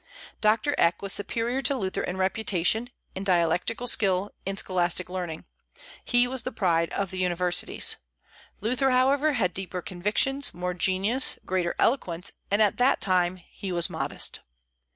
Doctor Eck was superior to Luther in reputation, in dialectical skill, in scholastic learning. He was the pride of the universities. Luther, however, had deeper convictions, more genius, greater eloquence, and at that time he was modest.